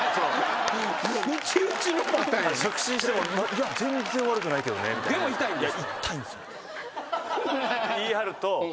触診しても「いや全然悪くないけどね」でも「痛いんです」？